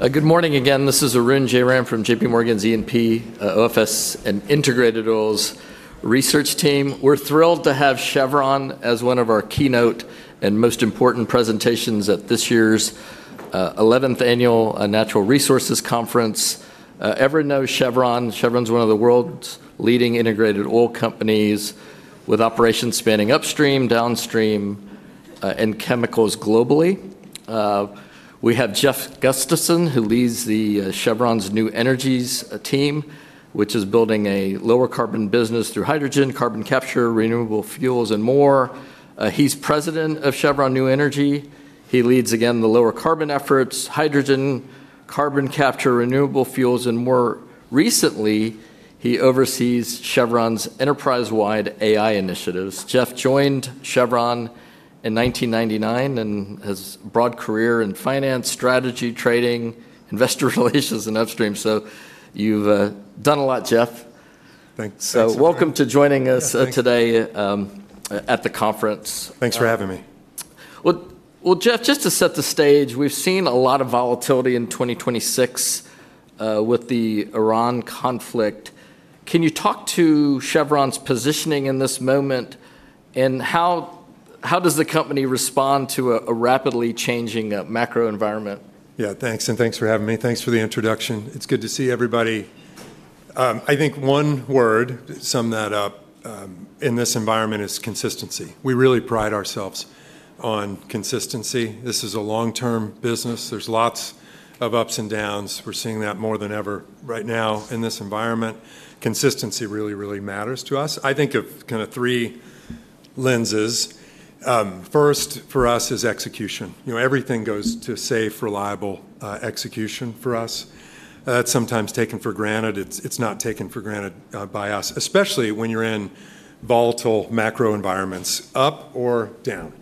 Good morning again. This is Arun Jayaram from JPMorgan's E&P, OFS, and Integrated Oils Research Team. We're thrilled to have Chevron as one of our keynote and most important presentations at this year's 11th Annual Natural Resources Conference. Ever know Chevron? Chevron's one of the world's leading integrated oil companies, with operations spanning upstream, downstream, and chemicals globally. We have Jeff Gustavson, who leads Chevron's New Energies team, which is building a lower-carbon business through hydrogen, carbon capture, renewable fuels, and more. He's President of Chevron New Energies. He leads, again, the lower-carbon efforts: hydrogen, carbon capture, renewable fuels, and more. Recently, he oversees Chevron's enterprise-wide AI initiatives. Jeff joined Chevron in 1999 and has a broad career in finance, strategy, trading, investor relations, and upstream. You've done a lot, Jeff. Thanks. Welcome to joining us today at the conference. Thanks for having me. Well, Jeff, just to set the stage, we've seen a lot of volatility in 2026 with the Iran conflict. Can you talk to Chevron's positioning in this moment, and how does the company respond to a rapidly changing macro environment? Thanks. Thanks for having me. Thanks for the introduction. It's good to see everybody. I think one word to sum that up in this environment is consistency. We really pride ourselves on consistency. This is a long-term business. There's lots of ups and downs. We're seeing that more than ever right now in this environment. Consistency really matters to us. I think of kind of three lenses. First, for us, is execution. You know, everything goes to safe, reliable execution for us. That's sometimes taken for granted. It's not taken for granted by us, especially when you're in volatile macro environments. Up or down,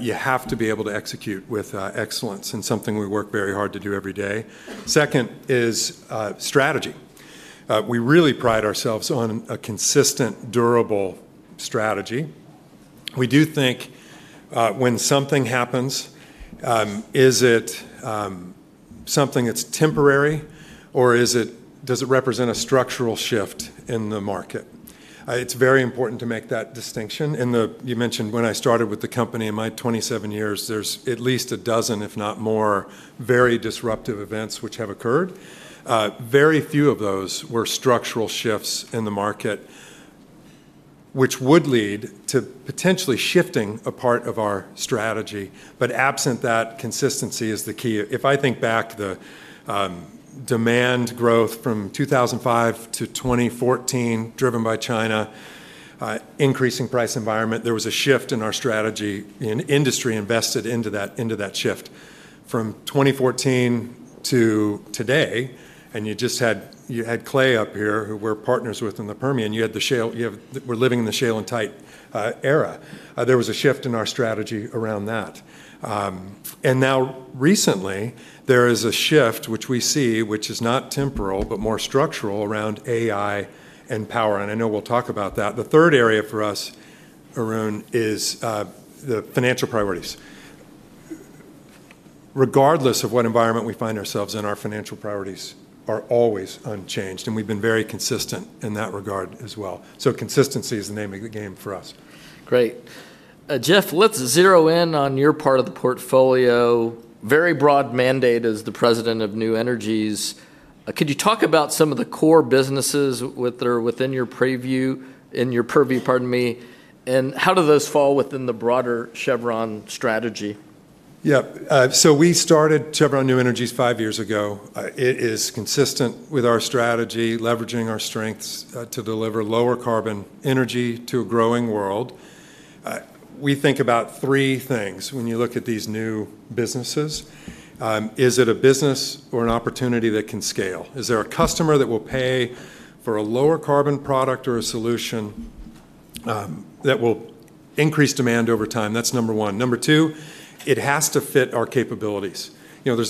you have to be able to execute with excellence in something we work very hard to do every day. Second is strategy. We really pride ourselves on a consistent, durable strategy. We do think, when something happens, is it something that's temporary, or does it represent a structural shift in the market? It's very important to make that distinction. You mentioned when I started with the company, in my 27 years, there's at least a dozen, if not more, very disruptive events which have occurred. Very few of those were structural shifts in the market, which would lead to potentially shifting a part of our strategy. Absent that, consistency is the key. If I think back, the demand growth from 2005 to 2014, driven by China, increasing price environment, there was a shift in our strategy and industry invested into that shift. From 2014 to today, and you just had Clay up here, who we're partners with in the Permian, we're living in the shale and tight era. There was a shift in our strategy around that. Now recently, there is a shift which we see, which is not temporal but more structural, around AI and power. I know we'll talk about that. The third area for us, Arun, is the financial priorities. Regardless of what environment we find ourselves in, our financial priorities are always unchanged. We've been very consistent in that regard as well. Consistency is the name of the game for us. Great. Jeff, let's zero in on your part of the portfolio. Very broad mandate as the President of New Energies. Could you talk about some of the core businesses that are within your purview, pardon me, and how do those fall within the broader Chevron strategy? Yeah. We started Chevron New Energies five years ago. It is consistent with our strategy, leveraging our strengths to deliver lower-carbon energy to a growing world. We think about three things when you look at these new businesses. Is it a business or an opportunity that can scale? Is there a customer that will pay for a lower-carbon product or a solution that will increase demand over time? That's number one. Number two, it has to fit our capabilities. You know,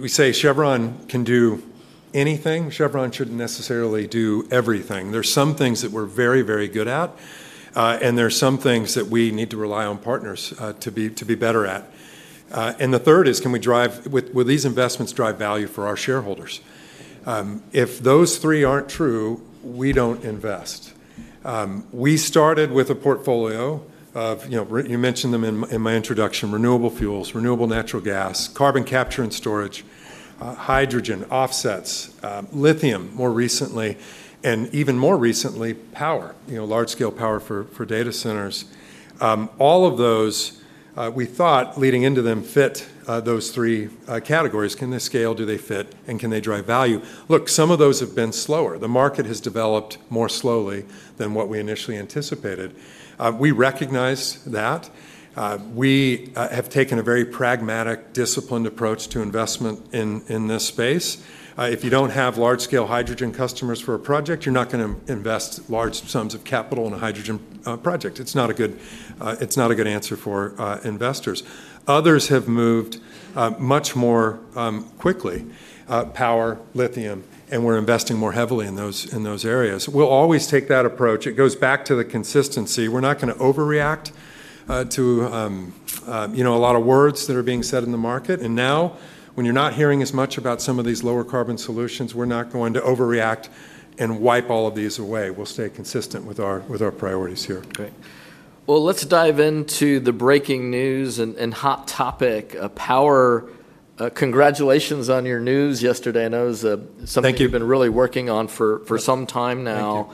we say Chevron can do anything. Chevron shouldn't necessarily do everything. There's some things that we're very, very good at, and there's some things that we need to rely on partners to be better at. The third is, will these investments drive value for our shareholders? If those three aren't true, we don't invest. We started with a portfolio of, you know, you mentioned them in my introduction, renewable fuels, renewable natural gas, carbon capture and storage, hydrogen, offsets, lithium more recently, and even more recently, power. large-scale power for data centers. All of those, we thought, leading into them, fit those three categories. Can they scale? Do they fit? Can they drive value? Look, some of those have been slower. The market has developed more slowly than what we initially anticipated. We recognize that. We have taken a very pragmatic, disciplined approach to investment in this space. If you don't have large-scale hydrogen customers for a project, you're not going to invest large sums of capital in a hydrogen project. It's not a good answer for investors. Others have moved much more quickly, power, lithium. We're investing more heavily in those areas. We'll always take that approach. It goes back to the consistency. We're not going to overreact to, you know, a lot of words that are being said in the market. Now, when you're not hearing as much about some of these lower-carbon solutions, we're not going to overreact and wipe all of these away. We'll stay consistent with our priorities here. Great. Well, let's dive into the breaking news and hot topic. Power, congratulations on your news yesterday. I know it's something you've been really working on for some time now,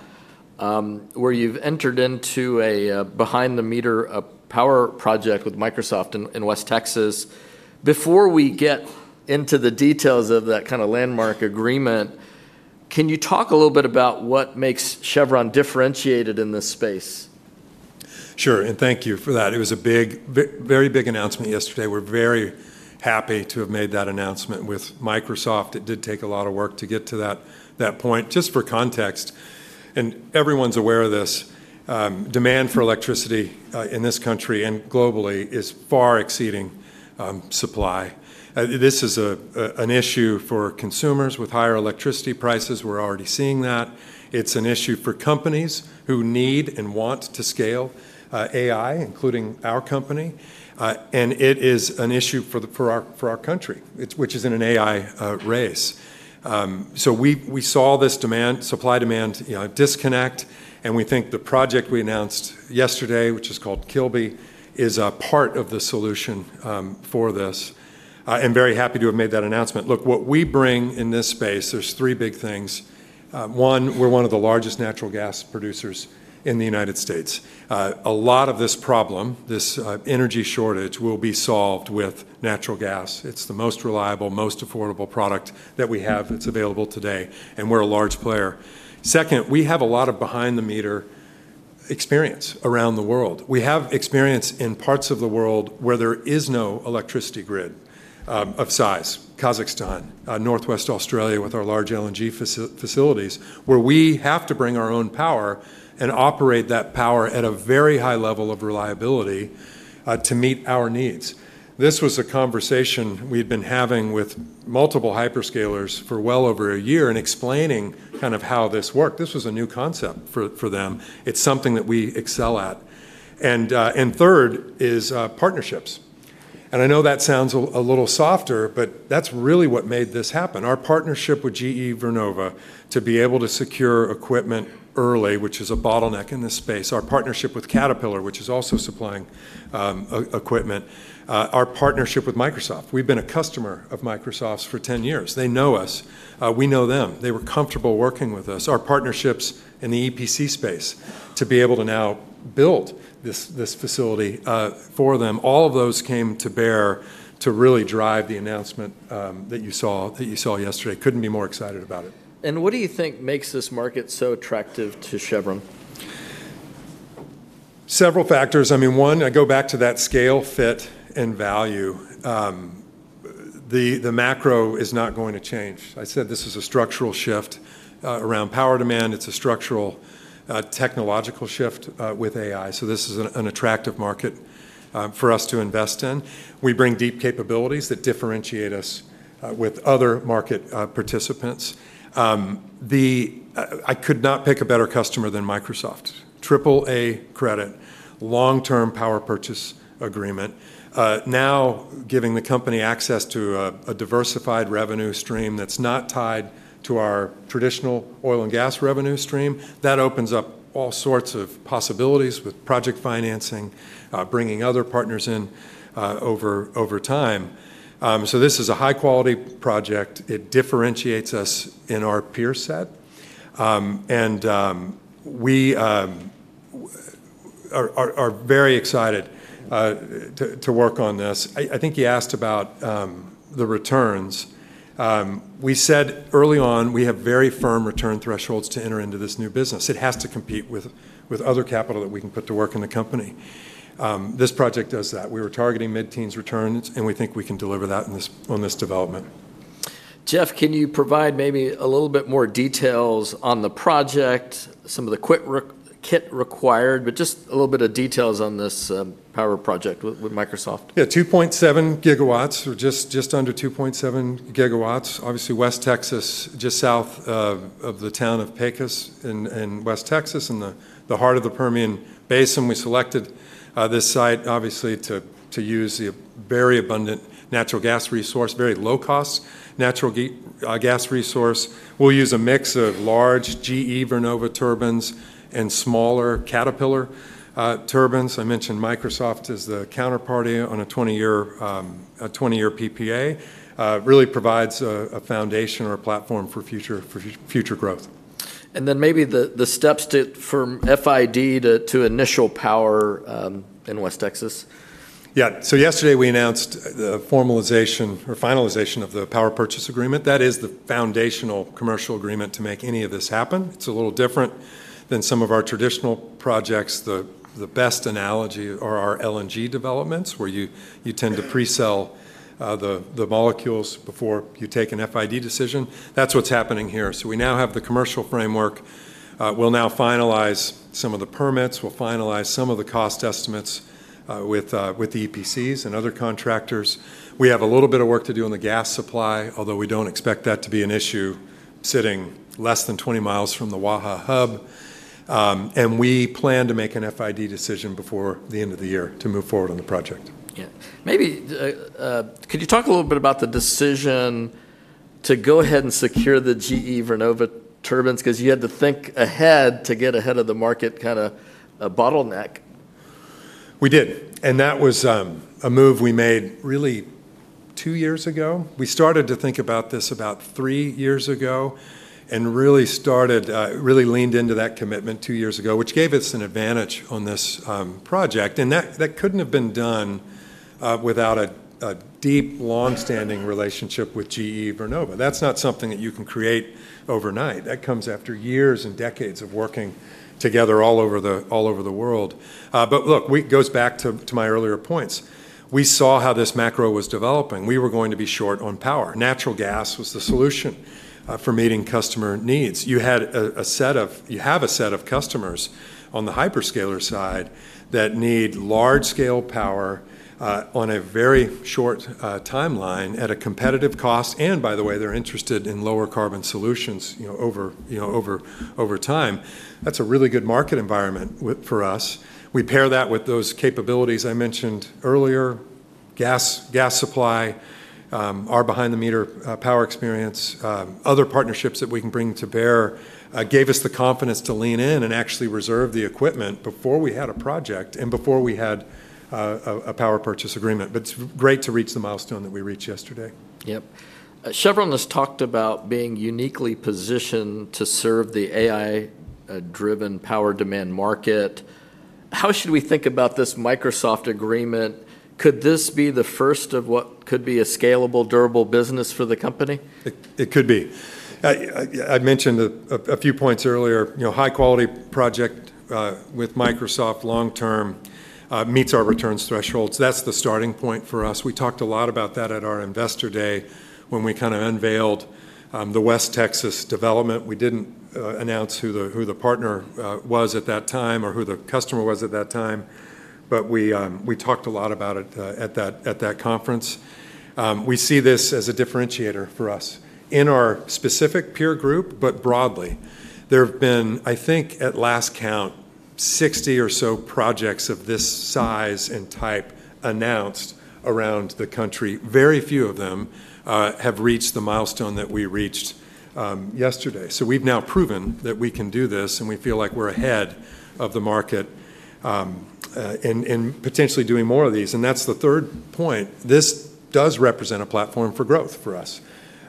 where you've entered into a behind-the-meter power project with Microsoft in West Texas. Before we get into the details of that kind of landmark agreement, can you talk a little bit about what makes Chevron differentiated in this space? Sure. Thank you for that. It was a big, very big announcement yesterday. We're very happy to have made that announcement with Microsoft. It did take a lot of work to get to that point. Just for context, everyone's aware of this, demand for electricity in this country and globally is far exceeding supply. This is an issue for consumers with higher electricity prices. We're already seeing that. It's an issue for companies who need and want to scale AI, including our company. It is an issue for our country, which is in an AI race. We saw this demand, supply-demand disconnect. We think the project we announced yesterday, which is called Kilby, is a part of the solution for this. I'm very happy to have made that announcement. Look, what we bring in this space, there's three big things. One, we're one of the largest natural gas producers in the United States. A lot of this problem, this energy shortage, will be solved with natural gas. It's the most reliable, most affordable product that we have that's available today, and we're a large player. Second, we have a lot of behind-the-meter experience around the world. We have experience in parts of the world where there is no electricity grid of size, Kazakhstan, Northwest Australia with our large LNG facilities, where we have to bring our own power and operate that power at a very high level of reliability to meet our needs. This was a conversation we'd been having with multiple hyperscalers for well over a year and explaining kind of how this worked. This was a new concept for them. It's something that we excel at. Third is partnerships. I know that sounds a little softer, but that's really what made this happen. Our partnership with GE Vernova to be able to secure equipment early, which is a bottleneck in this space. Our partnership with Caterpillar, which is also supplying equipment. Our partnership with Microsoft. We've been a customer of Microsoft's for 10 years. They know us. We know them. They were comfortable working with us. Our partnerships in the EPC space to be able to now build this facility for them. All of those came to bear to really drive the announcement that you saw yesterday. Couldn't be more excited about it. What do you think makes this market so attractive to Chevron? Several factors. I mean, one, I go back to that scale, fit, and value. The macro is not going to change. I said this is a structural shift around power demand. It's a structural technological shift with AI. This is an attractive market for us to invest in. We bring deep capabilities that differentiate us with other market participants. I could not pick a better customer than Microsoft. AAA credit, long-term power purchase agreement. Now, giving the company access to a diversified revenue stream that's not tied to our traditional oil and gas revenue stream, that opens up all sorts of possibilities with project financing, bringing other partners in over time. This is a high-quality project. It differentiates us in our peer set. We are very excited to work on this. I think he asked about the returns. We said early on, we have very firm return thresholds to enter into this new business. It has to compete with other capital that we can put to work in the company. This project does that. We were targeting mid-teens returns. We think we can deliver that on this development. Jeff, can you provide maybe a little bit more details on the project, some of the kit required, but just a little bit of details on this power project with Microsoft? 2.7 GW. We're just under 2.7 GW. Obviously, West Texas, just south of the town of Pecos in West Texas, in the heart of the Permian Basin. We selected this site, obviously, to use the very abundant natural gas resource, very low-cost natural gas resource. We'll use a mix of large GE Vernova turbines and smaller Caterpillar turbines. I mentioned Microsoft as the counterparty on a 20-year PPA. It really provides a foundation or a platform for future growth. Maybe the steps from FID to initial power in West Texas? Yesterday, we announced the formalization or finalization of the power purchase agreement. That is the foundational commercial agreement to make any of this happen. It's a little different than some of our traditional projects. The best analogy are our LNG developments, where you tend to presell the molecules before you take an FID decision. That's what's happening here. We now have the commercial framework. We'll now finalize some of the permits. We'll finalize some of the cost estimates with the EPCs and other contractors. We have a little bit of work to do on the gas supply, although we don't expect that to be an issue sitting less than 20 mi from the Waha Hub. We plan to make an FID decision before the end of the year to move forward on the project. Maybe could you talk a little bit about the decision to go ahead and secure the GE Vernova turbines? You had to think ahead to get ahead of the market kind of bottleneck. We did. That was a move we made really two years ago. We started to think about this about three years ago and really leaned into that commitment two years ago, which gave us an advantage on this project. That couldn't have been done without a deep, long-standing relationship with GE Vernova. That's not something that you can create overnight. That comes after years and decades of working together all over the world. Look, it goes back to my earlier points. We saw how this macro was developing. We were going to be short on power. Natural gas was the solution for meeting customer needs. You have a set of customers on the hyperscaler side that need large-scale power on a very short timeline at a competitive cost. By the way, they're interested in lower-carbon solutions over time. That's a really good market environment for us. We pair that with those capabilities I mentioned earlier: gas supply, our behind-the-meter power experience, other partnerships that we can bring to bear gave us the confidence to lean in and actually reserve the equipment before we had a project and before we had a power purchase agreement. It's great to reach the milestone that we reached yesterday. Yep. Chevron has talked about being uniquely positioned to serve the AI-driven power demand market. How should we think about this Microsoft agreement? Could this be the first of what could be a scalable, durable business for the company? It could be. I mentioned a few points earlier. You know, high-quality project with Microsoft long-term meets our returns thresholds. That's the starting point for us. We talked a lot about that at our Investor Day when we kind of unveiled the West Texas development. We didn't announce who the partner was at that time or who the customer was at that time, we talked a lot about it at that conference. We see this as a differentiator for us in our specific peer group, broadly, there have been, I think at last count, 60 or so projects of this size and type announced around the country. Very few of them have reached the milestone that we reached yesterday. We've now proven that we can do this, and we feel like we're ahead of the market in potentially doing more of these. That's the third point. This does represent a platform for growth for us.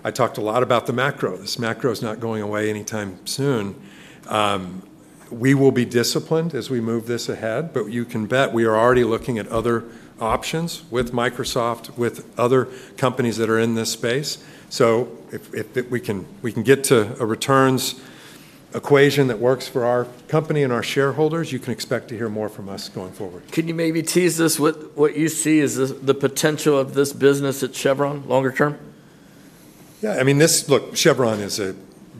I talked a lot about the macro. This macro is not going away anytime soon. We will be disciplined as we move this ahead, you can bet we are already looking at other options with Microsoft, with other companies that are in this space. If we can get to a returns equation that works for our company and our shareholders, you can expect to hear more from us going forward. Can you maybe tease us what you see as the potential of this business at Chevron longer term? Yeah. I mean, look, Chevron is a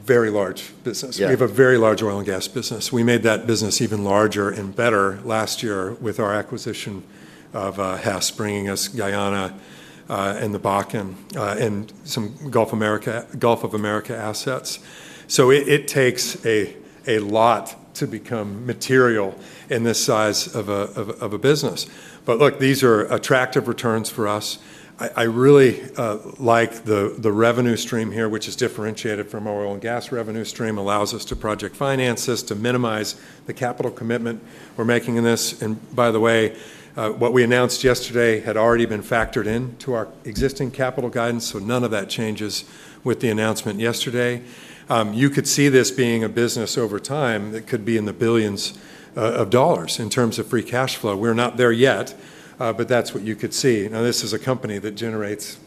very large business. We have a very large oil and gas business. We made that business even larger and better last year with our acquisition of Hess, bringing us Guyana and the Bakken and some Gulf of America assets. It takes a lot to become material in this size of a business. Look, these are attractive returns for us. I really like the revenue stream here, which is differentiated from our oil and gas revenue stream, allows us to project finances to minimize the capital commitment we're making in this. By the way, what we announced yesterday had already been factored into our existing capital guidance, so none of that changes with the announcement yesterday. You could see this being a business over time that could be in the billions of dollars in terms of free cash flow. We're not there yet, that's what you could see. This is a company that generates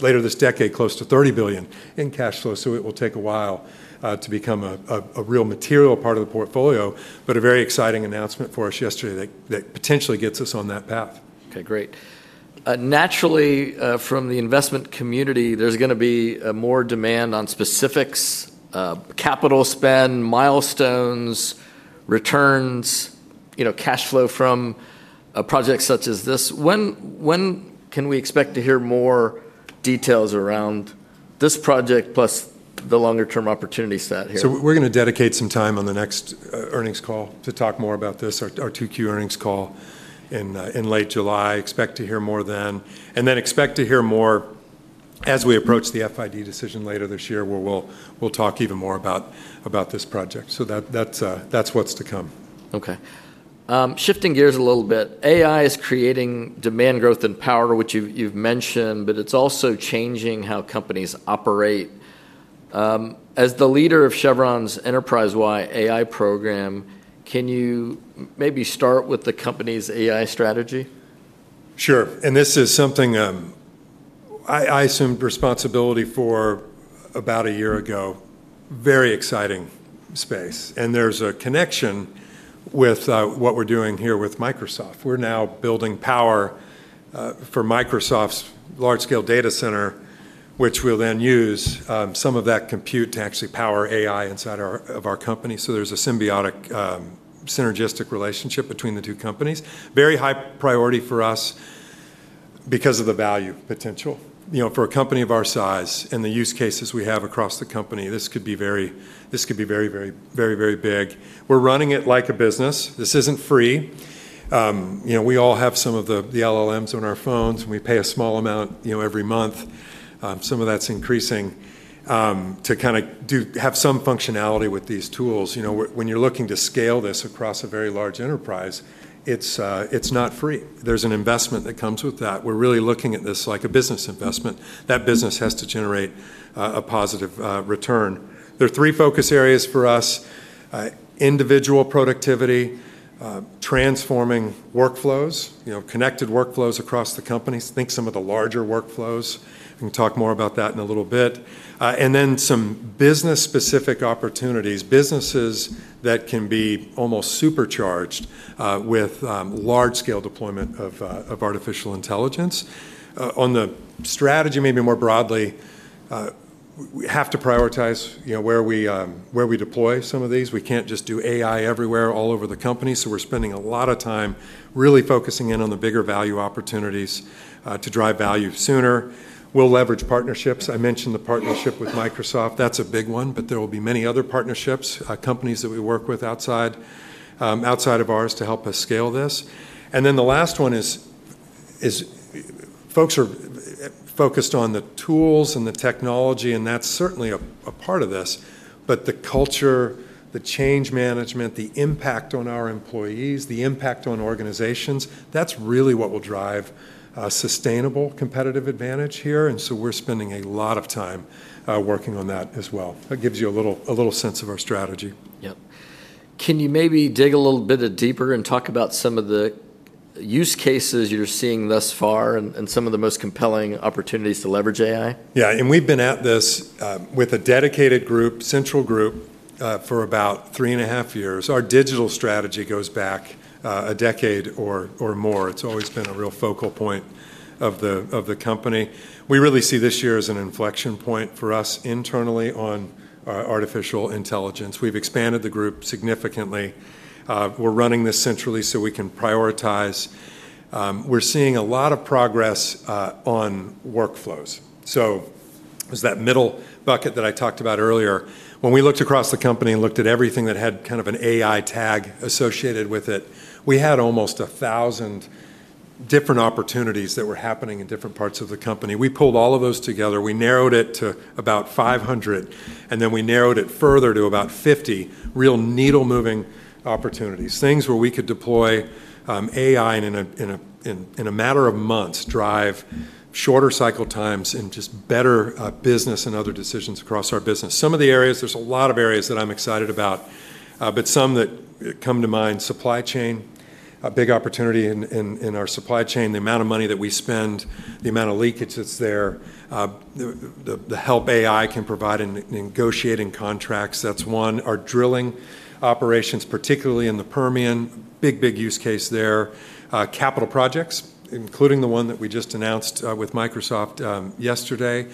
later this decade close to $30 billion in cash flow, it will take a while to become a real material part of the portfolio, a very exciting announcement for us yesterday that potentially gets us on that path. Okay, great. Naturally, from the investment community, there's going to be more demand on specifics, capital spend, milestones, returns, cash flow from a project such as this. When can we expect to hear more details around this project plus the longer-term opportunity stat here? We're going to dedicate some time on the next earnings call to talk more about this, our 2Q earnings call in late July. Expect to hear more then. Then expect to hear more as we approach the FID decision later this year where we'll talk even more about this project. That's what's to come. Okay. Shifting gears a little bit. AI is creating demand growth in power, which you've mentioned, but it's also changing how companies operate. As the leader of Chevron's enterprise-wide AI program, can you maybe start with the company's AI strategy? Sure. This is something I assumed responsibility for about a year ago. Very exciting space. There's a connection with what we're doing here with Microsoft. We're now building power for Microsoft's large-scale data center, which will then use some of that compute to actually power AI inside of our company. There's a symbiotic, synergistic relationship between the two companies. Very high priority for us because of the value potential. You know, for a company of our size and the use cases we have across the company, this could be very, very, very, very big. We're running it like a business. This isn't free. You know, we all have some of the LLMs on our phones and we pay a small amount every month. Some of that's increasing to kind of have some functionality with these tools. You know, when you're looking to scale this across a very large enterprise, it's not free. There's an investment that comes with that. We're really looking at this like a business investment. That business has to generate a positive return. There are three focus areas for us, individual productivity, transforming workflows, connected workflows across the companies. Think some of the larger workflows. We can talk more about that in a little bit. Then some business-specific opportunities, businesses that can be almost supercharged with large-scale deployment of artificial intelligence. On the strategy, maybe more broadly, we have to prioritize where we deploy some of these. We can't just do AI everywhere all over the company. We're spending a lot of time really focusing in on the bigger value opportunities to drive value sooner. We'll leverage partnerships. I mentioned the partnership with Microsoft. That's a big one, but there will be many other partnerships, companies that we work with outside of ours to help us scale this. The last one is folks are focused on the tools and the technology, and that's certainly a part of this, but the culture, the change management, the impact on our employees, the impact on organizations, that's really what will drive sustainable competitive advantage here. We're spending a lot of time working on that as well. That gives you a little sense of our strategy. Yep. Can you maybe dig a little bit deeper and talk about some of the use cases you're seeing thus far and some of the most compelling opportunities to leverage AI? Yeah. We've been at this with a dedicated group, central group, for about three and a half years. Our digital strategy goes back a decade or more. It's always been a real focal point of the company. We really see this year as an inflection point for us internally on artificial intelligence. We've expanded the group significantly. We're running this centrally so we can prioritize. We're seeing a lot of progress on workflows. It was that middle bucket that I talked about earlier. When we looked across the company and looked at everything that had kind of an AI tag associated with it, we had almost 1,000 different opportunities that were happening in different parts of the company. We pulled all of those together. We narrowed it to about 500, we narrowed it further to about 50 real needle-moving opportunities. Things where we could deploy AI in a matter of months, drive shorter cycle times, and just better business and other decisions across our business. Some of the areas, there's a lot of areas that I'm excited about, but some that come to mind: supply chain, a big opportunity in our supply chain. The amount of money that we spend, the amount of leakage that's there, the help AI can provide in negotiating contracts. That's one. Our drilling operations, particularly in the Permian, big, big use case there. Capital projects, including the one that we just announced with Microsoft yesterday.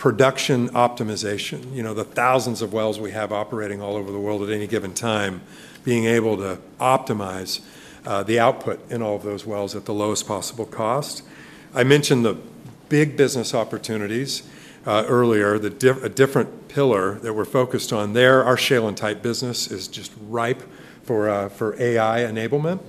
Production optimization, you know, the thousands of wells we have operating all over the world at any given time, being able to optimize the output in all of those wells at the lowest possible cost. I mentioned the big business opportunities earlier, a different pillar that we're focused on there. Our shale and tight business is just ripe for AI enablement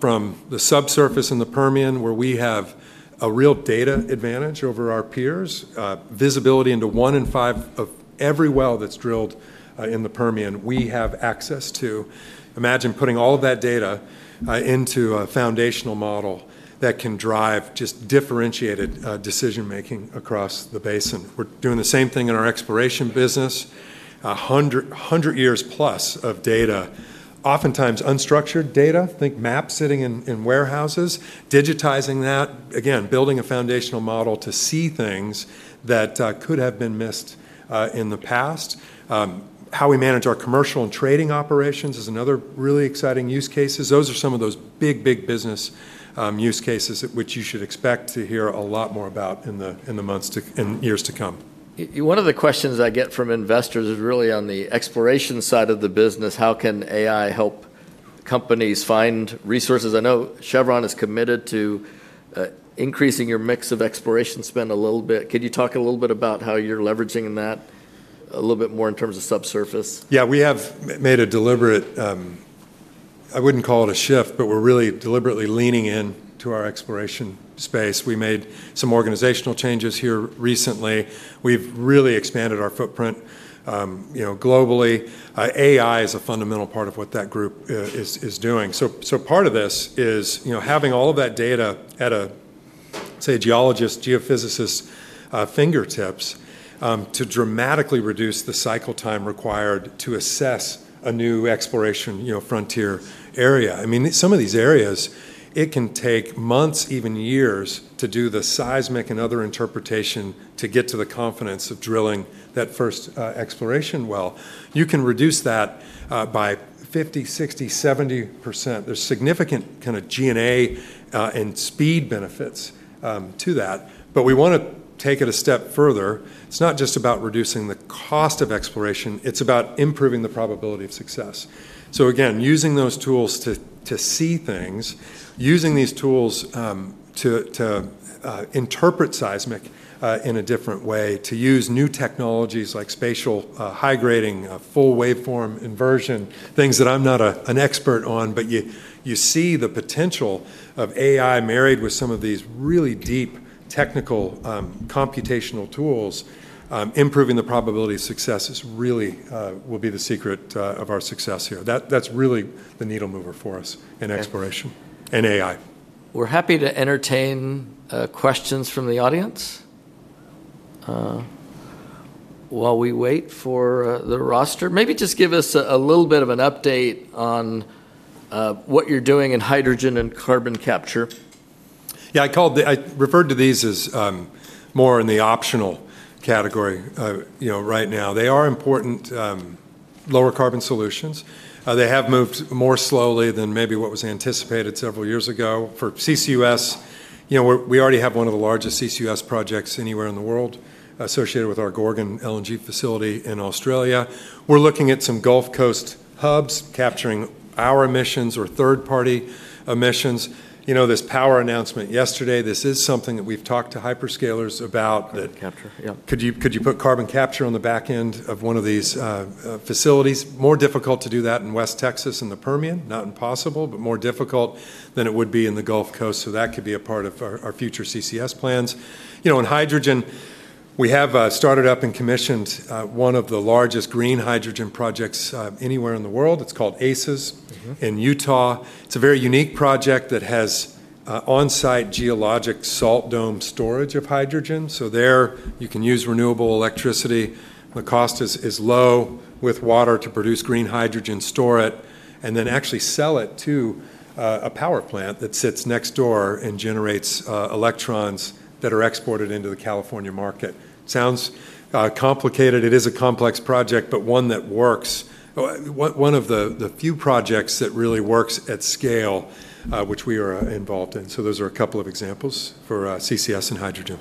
from the subsurface in the Permian, where we have a real data advantage over our peers. Visibility into one in five of every well that's drilled in the Permian we have access to. Imagine putting all of that data into a foundational model that can drive just differentiated decision-making across the basin. We're doing the same thing in our exploration business. 100 years plus of data, oftentimes unstructured data. Think maps sitting in warehouses, digitizing that, again, building a foundational model to see things that could have been missed in the past. How we manage our commercial and trading operations is another really exciting use cases. Those are some of those big, big business use cases which you should expect to hear a lot more about in the months and years to come. One of the questions I get from investors is really on the exploration side of the business. How can AI help companies find resources? I know Chevron is committed to increasing your mix of exploration spend a little bit. Could you talk a little bit about how you're leveraging that a little bit more in terms of subsurface? Yeah, we have made a deliberate, I wouldn't call it a shift, but we're really deliberately leaning into our exploration space. We made some organizational changes here recently. We've really expanded our footprint globally. AI is a fundamental part of what that group is doing. Part of this is having all of that data at a, say, geologist, geophysicist's fingertips to dramatically reduce the cycle time required to assess a new exploration frontier area. I mean, some of these areas, it can take months, even years, to do the seismic and other interpretation to get to the confidence of drilling that first exploration well. You can reduce that by 50%, 60%, 70%. There's significant kind of G&A and speed benefits to that. We want to take it a step further. It's not just about reducing the cost of exploration, it's about improving the probability of success. Again, using those tools to see things, using these tools to interpret seismic in a different way, to use new technologies like spatial high grading, full waveform inversion, things that I'm not an expert on, but you see the potential of AI married with some of these really deep technical computational tools, improving the probability of success is really will be the secret of our success here. That's really the needle mover for us in exploration and AI. We're happy to entertain questions from the audience. While we wait for the roster, maybe just give us a little bit of an update on what you're doing in hydrogen and carbon capture. Yeah, I referred to these as more in the optional category right now. They are important lower carbon solutions. They have moved more slowly than maybe what was anticipated several years ago. For CCUS, we already have one of the largest CCUS projects anywhere in the world associated with our Gorgon LNG facility in Australia. We're looking at some Gulf Coast hubs capturing our emissions or third-party emissions. You know, this power announcement yesterday, this is something that we've talked to hyperscalers about. Carbon capture, yeah. Could you put carbon capture on the back end of one of these facilities? More difficult to do that in West Texas in the Permian, not impossible, but more difficult than it would be in the Gulf Coast. That could be a part of our future CCS plans. You know, in hydrogen, we have started up and commissioned one of the largest green hydrogen projects anywhere in the world. It is called ACES in Utah. It is a very unique project that has on-site geologic salt dome storage of hydrogen. There, you can use renewable electricity. The cost is low with water to produce green hydrogen, store it, and then actually sell it to a power plant that sits next door and generates electrons that are exported into the California market. Sounds complicated. It is a complex project, but one that works. One of the few projects that really works at scale, which we are involved in. Those are a couple of examples for CCS and hydrogen.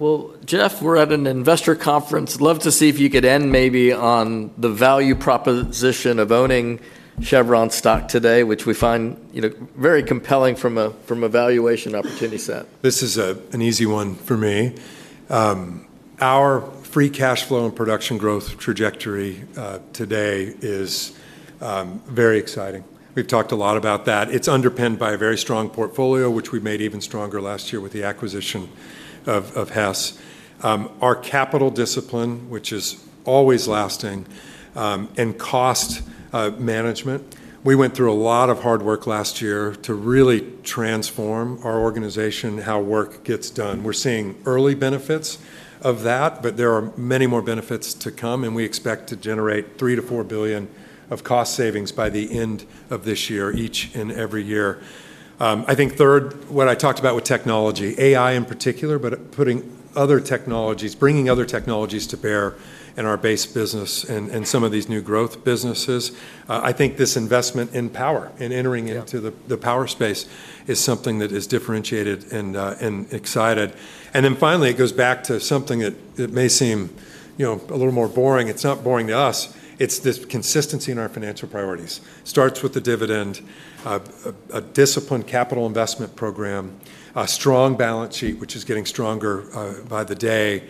Okay. Well, Jeff, we are at an investor conference. Love to see if you could end maybe on the value proposition of owning Chevron's stock today, which we find very compelling from a valuation opportunity set. This is an easy one for me. Our free cash flow and production growth trajectory today is very exciting. We've talked a lot about that. It's underpinned by a very strong portfolio, which we made even stronger last year with the acquisition of Hess. Our capital discipline, which is always lasting, and cost management. We went through a lot of hard work last year to really transform our organization, how work gets done. We're seeing early benefits of that, but there are many more benefits to come, and we expect to generate $3 billion-$4 billion of cost savings by the end of this year, each and every year. I think third, what I talked about with technology, AI in particular, but putting other technologies, bringing other technologies to bear in our base business and some of these new growth businesses. I think this investment in power, in entering into the power space is something that is differentiated and excited. Finally, it goes back to something that may seem a little more boring. It's not boring to us. It's this consistency in our financial priorities. Starts with the dividend, a disciplined capital investment program, a strong balance sheet, which is getting stronger by the day,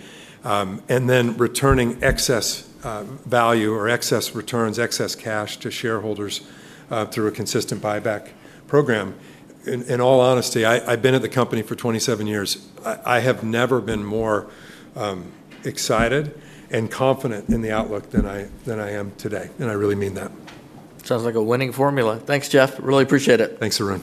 returning excess value or excess returns, excess cash to shareholders through a consistent buyback program. In all honesty, I've been at the company for 27 years. I have never been more excited and confident in the outlook than I am today. I really mean that. Sounds like a winning formula. Thanks, Jeff. Really appreciate it. Thanks, Arun.